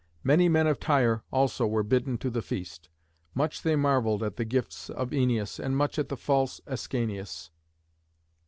Many men of Tyre also were bidden to the feast. Much they marvelled at the gifts of Æneas, and much at the false Ascanius.